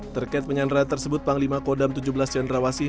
terkait penyandera tersebut panglima kodam tujuh belas cendrawasih